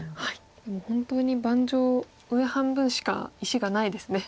もう本当に盤上上半分しか石がないですね。